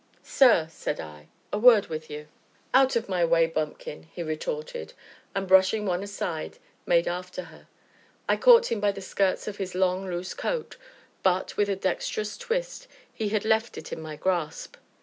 "Sir," said I, "a word with you." "Out of my way, bumpkin!" he retorted, and, brushing one aside, made after her. I caught him by the skirts of his long, loose coat, but, with a dexterous twist, he had left it in my grasp.